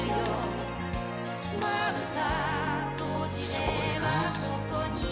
すごいなあ。